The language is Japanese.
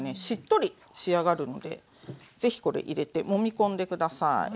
しっとり仕上がるので是非これ入れてもみ込んで下さい。